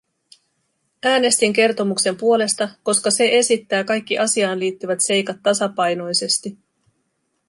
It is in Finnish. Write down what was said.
Äänestin kertomuksen puolesta, koska se esittää kaikki asiaan liittyvät seikat tasapainoisesti.